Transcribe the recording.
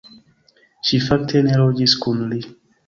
Ŝi fakte ne loĝis kun li.